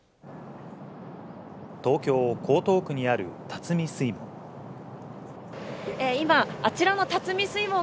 東京・江東区にある辰巳水門。